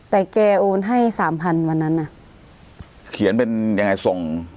แต่แกโอนให้สามพันวันนั้นน่ะเขียนเป็นยังไงส่ง